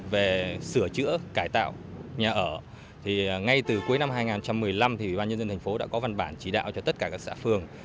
về sửa chữa cải tạo nhà ở thì ngay từ cuối năm hai nghìn một mươi năm thì ủy ban nhân dân thành phố đã có văn bản chỉ đạo cho tất cả các xã phường